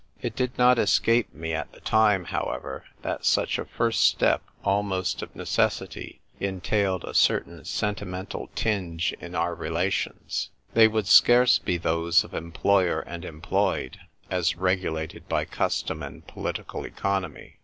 It did not escape me at the time, however, that such a first step almost of necessity entailed a certain sentimental tinge in our relations : they would scarce be those of employer and employed, as regulated by custom and political economy.